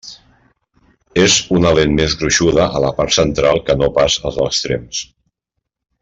És una lent més gruixuda a la part central que no pas als extrems.